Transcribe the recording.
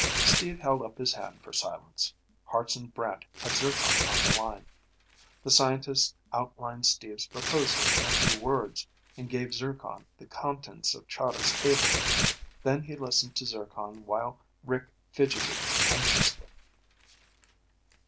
Steve held up his hand for silence. Hartson Brant had Zircon on the line. The scientist outlined Steve's proposal in a few words, and gave Zircon the contents of Chahda's cable. Then he listened to Zircon while Rick fidgeted anxiously.